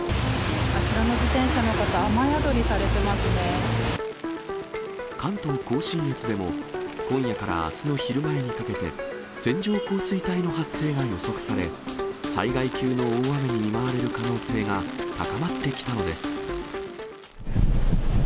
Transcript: あちらの自転車の方、雨宿り関東甲信越でも、今夜からあすの昼前にかけて、線状降水帯の発生が予測され、災害級の大雨に見舞われる可能性が高まってきたのです。